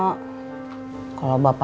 kalau bapak lu meninggal gimana